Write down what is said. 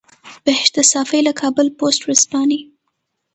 بهشته صافۍ له کابل پوسټ ورځپاڼې.